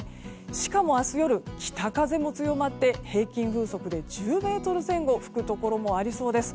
しかも明日夜、北風も強まって平均風速で１０メートル前後吹くところもありそうです。